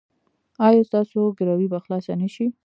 ایا ستاسو ګروي به خلاصه نه شي؟